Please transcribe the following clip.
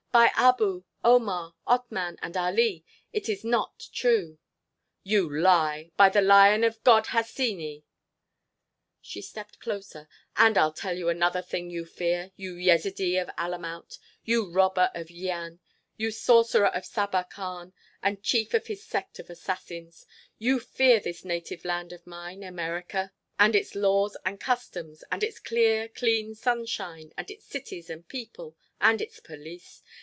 "By Abu, Omar, Otman, and Ali, it is not true!" "You lie!—by the Lion of God, Hassini!" She stepped closer. "And I'll tell you another thing you fear—you Yezidee of Alamout—you robber of Yian—you sorcerer of Sabbah Khan, and chief of his sect of Assassins! You fear this native land of mine, America; and its laws and customs, and its clear, clean sunshine; and its cities and people; and its police!